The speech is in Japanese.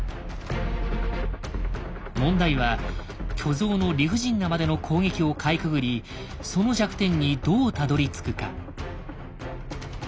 問題は巨像の理不尽なまでの攻撃をかいくぐりその弱点にどうたどりつくか。